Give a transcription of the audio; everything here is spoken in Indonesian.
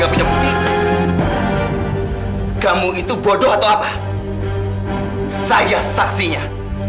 karena mereka hanya untuk memadukan would eart dengan semangat